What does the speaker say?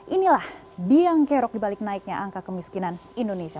inilah diangkerok dibalik naiknya angka kemiskinan indonesia